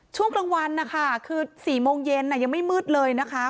ช่วงกลางวันนะคะคือ๔โมงเย็นยังไม่มืดเลยนะคะ